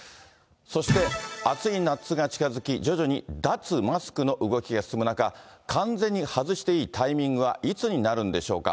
そして、暑い夏が近づき、徐々に脱マスクの動きが進む中、完全に外していいタイミングはいつになるんでしょうか。